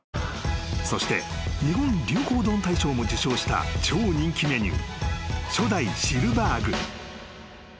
［そして日本流行丼大賞も受賞した超人気メニュー］